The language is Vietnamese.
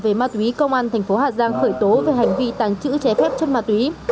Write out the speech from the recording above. về ma túy công an thành phố hà giang khởi tố về hành vi tàng trữ trái phép chất ma túy